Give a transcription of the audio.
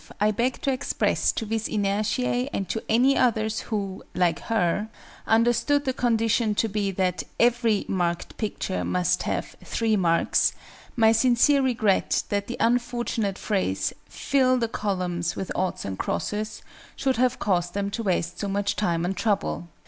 I beg to express to VIS INERTIÆ and to any others who, like her, understood the condition to be that every marked picture must have three marks, my sincere regret that the unfortunate phrase "fill the columns with oughts and crosses" should have caused them to waste so much time and trouble.